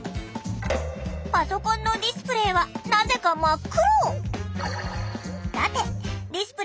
パソコンのディスプレーはなぜか真っ黒。